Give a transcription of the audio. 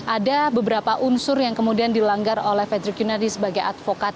ada beberapa unsur yang kemudian dilanggar oleh fredrik yunadi sebagai advokat